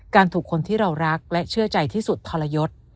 ถูกคนที่เรารักและเชื่อใจที่สุดทรยศ